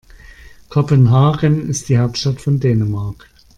Kopenhagen ist die Hauptstadt von Dänemark.